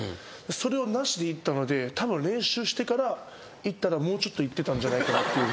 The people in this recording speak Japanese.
それをなしで行ったのでたぶん練習してから行ったらもうちょっといってたんじゃないかなって。